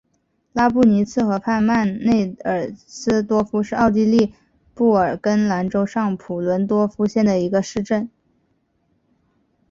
拉布尼茨河畔曼内尔斯多夫是奥地利布尔根兰州上普伦多夫县的一个市镇。